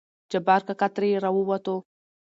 جبار کاکا ترې راووتو.